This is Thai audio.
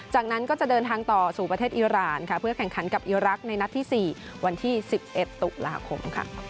จากนั้นก็จะเดินทางต่อสู่ประเทศอิราณเพื่อแข่งขันกับอีรักษ์ในนัดที่๔วันที่๑๑ตุลาคม